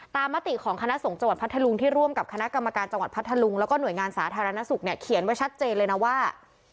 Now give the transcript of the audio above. มติของคณะสงฆ์จังหวัดพัทธลุงที่ร่วมกับคณะกรรมการจังหวัดพัทธลุงแล้วก็หน่วยงานสาธารณสุขเนี่ยเขียนไว้ชัดเจนเลยนะว่า